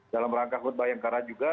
dalam rangka khutbah yang karat juga